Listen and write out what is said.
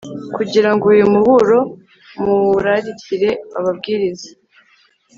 kugira ngo uyu muburo muwurarikire ababwiriza